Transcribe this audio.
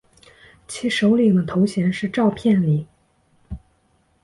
其首领的头衔是召片领。